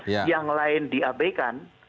yang lain diabeikan